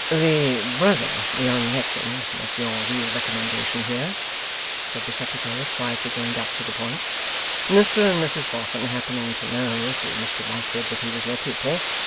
'The brother, young Hexam, was your real recommendation here,' said the Secretary, quietly going back to the point; 'Mr and Mrs Boffin happening to know, through Mr Lightwood, that he was your pupil.